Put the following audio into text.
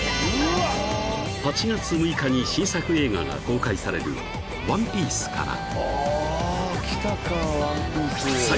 ［８月６日に新作映画が公開される『ＯＮＥＰＩＥＣＥ』から］